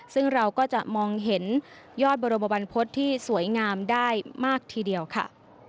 ซึ่งเราก็จะมองเห็นยอดบรมบรรพฤษที่สวยงามได้มากทีเดียวค่ะ